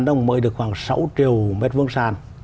nó mới được khoảng sáu triệu mét vương sàn